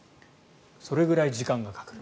それくらい時間がかかる。